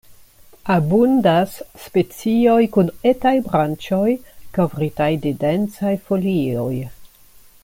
Abundas specioj kun etaj branĉoj kovritaj de densaj folioj.